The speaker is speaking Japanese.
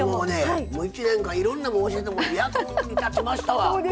１年間、いろんなもの教えてもらって役に立ちましたわ。